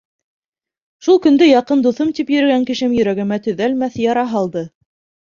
Шул көндө яҡын дуҫым тип йөрөгән кешем йөрәгемә төҙәлмәҫ яра һалды.